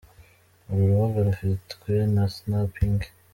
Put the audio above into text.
Uru rubuga rufitwe na Snap Inc.